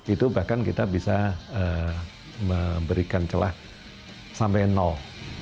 itu bahkan kita bisa memberikan celah sampai nol